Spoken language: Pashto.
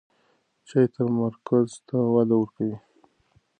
چای تمرکز ته وده ورکوي.